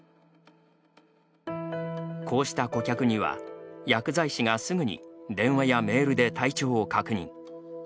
こうした顧客には、薬剤師がすぐに電話やメールで体調を確認。